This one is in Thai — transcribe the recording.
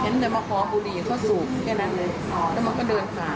มาขอบุหรี่เขาสูบแค่นั้นเลยแล้วมันก็เดินผ่าน